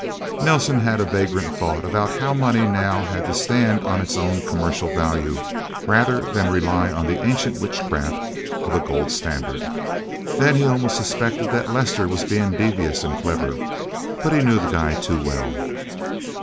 Nelsen had a vagrant thought about how money now had to stand on its own commercial value, rather than rely on the ancient witchcraft of a gold standard. Then he almost suspected that Lester was being devious and clever. But he knew the guy too well.